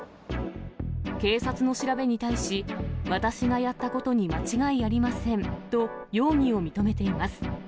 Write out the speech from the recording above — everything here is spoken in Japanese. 警察の調べに対し、私がやったことに間違いありませんと、容疑を認めています。